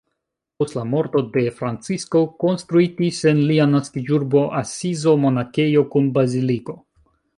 Post la morto de Francisko konstruitis en lia naskiĝurbo Asizo monakejo kun baziliko.